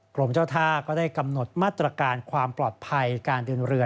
กรมเจ้าท่าก็ได้กำหนดมาตรการความปลอดภัยการเดินเรือ